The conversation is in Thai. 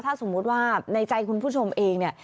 ถ้าสมมุติว่าในใจคุณผู้ชมเองเนี่ย